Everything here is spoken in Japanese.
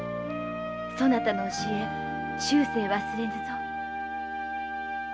そなたの教え終生忘れぬぞ。